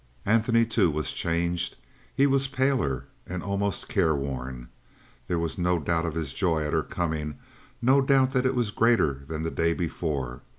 Antony, too, was changed. He was paler and almost careworn. There was no doubt of his joy at her coming, no doubt that it was greater than the day before.